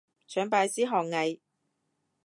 想拜師學藝